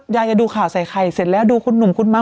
ยายจะดูข่าวใส่ไข่เสร็จแล้วดูคุณหนุ่มคุณม้า